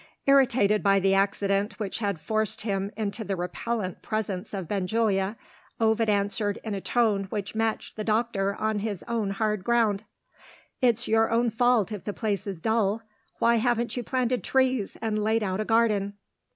Irritated by the accident which had forced him into the repellent presence of Benjulia, Ovid answered in a tone which matched the doctor on his own hard ground. "It's your own fault if the place is dull. Why haven't you planted trees, and laid out a garden?"